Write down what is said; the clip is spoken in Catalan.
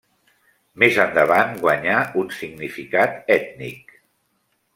Més endavant guanyà un significat ètnic.